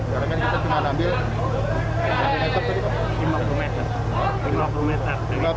karena kan kita cuma ambil lima puluh meter